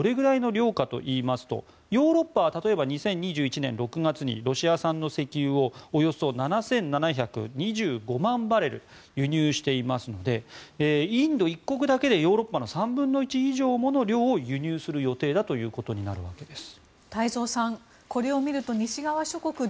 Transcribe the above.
この２８００万がどのぐらいの量かといいますとヨーロッパは例えば２０２１年６月にロシア産の石油をおよそ７７２５万バレル輸入していますのでインド１国だけでヨーロッパの３分の１以上の量を輸入することになるということです。